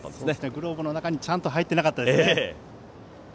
グローブの中にちゃんと入ってなかったですね。